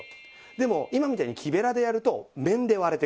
でも今みたいに木べらでやると面で割れてくれる。